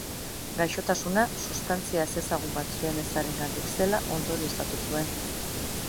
Gaixotasuna sustantzia ezezagun batzuen ezarengatik zela ondorioztatu zuen.